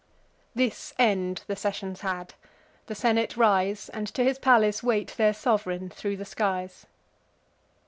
This end the sessions had: the senate rise, And to his palace wait their sov'reign thro' the skies.